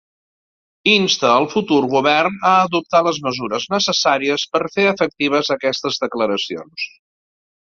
Insta el futur govern a adoptar les mesures necessàries per fer efectives aquestes declaracions.